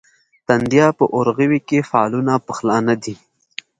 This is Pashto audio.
تندیه په اورغوي کې فالونه پخلا نه دي.